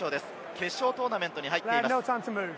決勝トーナメントに入っています。